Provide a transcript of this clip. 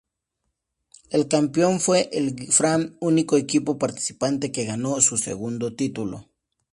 El campeón fue el Fram, único equipo participante, que ganó su segundo título.